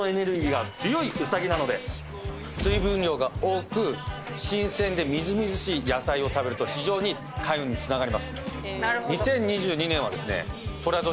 水分量が多く新鮮でみずみずしい野菜を食べると非常に開運につながります。